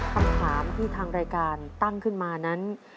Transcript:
คำถามที่ทางรายการตั้งขึ้นมานั้น